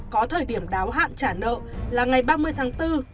có thời điểm đáo hạn trả nợ là ngày ba mươi tháng bốn